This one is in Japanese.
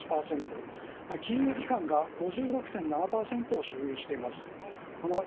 金融機関が５６．７％を所有しています。